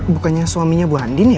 bukannya suaminya bu andin ya